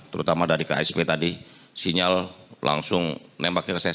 terutama dari ksp tadi sinyal langsung nembaknya ke saya